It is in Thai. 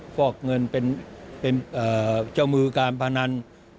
ฟอกเงินเป็นเจ้ามือการพนัน